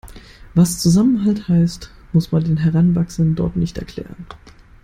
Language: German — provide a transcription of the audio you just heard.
Was Zusammenhalt heißt, muss man den Heranwachsenden dort nicht erklären.